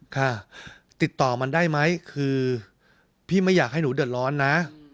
ค่ะติดต่อมันได้ไหมคือพี่ไม่อยากให้หนูเดือดร้อนนะ